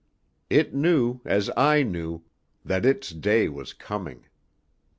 It knew, as I knew, that its day was coming.